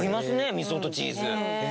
みそとチーズ。